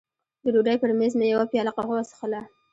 د ډوډۍ پر مېز مې یوه پیاله قهوه وڅښله.